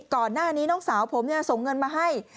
ก่อนหน้านี้น้องสาวผมส่งเงินมาให้